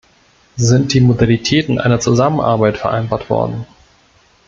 Sind die Modalitäten einer Zusammenarbeit vereinbart worden?